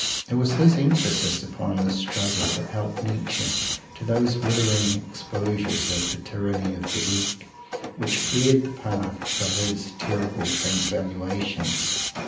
It was his emphasis upon this struggle that helped Nietzsche to those withering exposures of "the tyranny of the weak" which cleared the path for his terrific transvaluations.